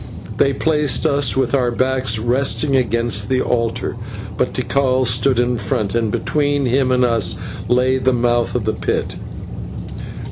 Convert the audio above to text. They placed us with our backs resting against the altar; but Tikal stood in front, and between him and us lay the mouth of the pit.